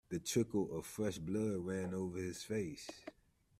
A trickle of fresh blood ran over his face.